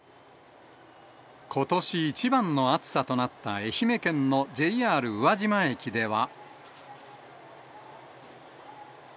ことし一番の暑さとなった愛媛県のＪＲ宇和島駅では。